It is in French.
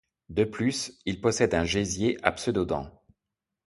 De plus, il possède un gésier à pseudo-dents.